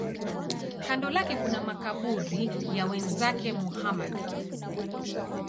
Kando lake kuna makaburi ya wenzake Muhammad.